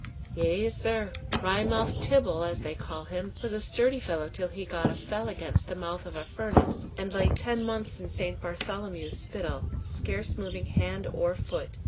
"Yea, sir. Wry mouthed Tibble, as they call him, was a sturdy fellow till he got a fell against the mouth of a furnace, and lay ten months in St. Bartholomew's Spital, scarce moving hand or foot.